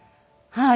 はい。